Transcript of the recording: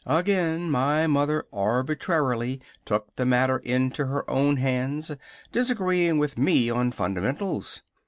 Again my mother arbitrarily took the matter into her own hands, disagreeing with me on fundamentals.